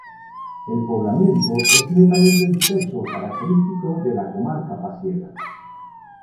El poblamiento es netamente disperso, característico de la comarca pasiega.